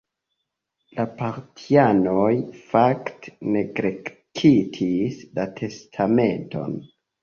La partianoj fakte neglektis la testamenton.